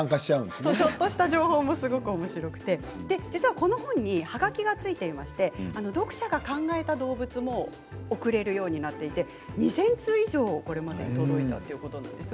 ちょっとした情報もすごくおもしろくてこの本、はがきが付いていまして読者が考えた動物も送れるようになっていて、２０００通以上これまでに届いたということです。